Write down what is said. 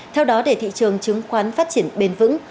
theo đó để thị trường chứng khoán phát triển bền vững